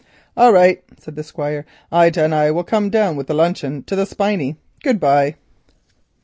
"All right," said the Squire. "Ida and I will come down with the luncheon to the grove. Good bye."